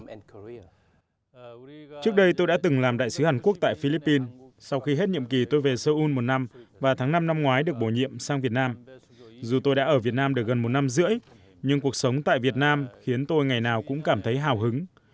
trước đây tôi đã từng làm đại sứ hàn quốc tại philippines sau khi hết nhiệm kỳ tôi về seoul một năm và tháng năm năm ngoái được bổ nhiệm sang việt nam dù tôi đã ở việt nam được gần một năm rưỡi nhưng cuộc sống tại việt nam khiến tôi ngày nào cũng cảm thấy hào hứng